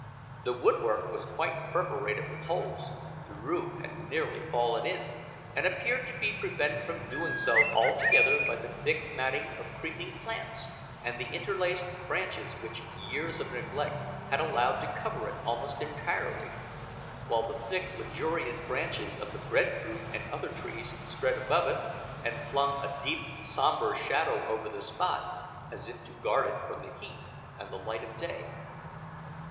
The woodwork was quite perforated with holes; the roof had nearly fallen in, and appeared to be prevented from doing so altogether by the thick matting of creeping plants and the interlaced branches which years of neglect had allowed to cover it almost entirely; while the thick, luxuriant branches of the bread fruit and other trees spread above it, and flung a deep, sombre shadow over the spot, as if to guard it from the heat and the light of day.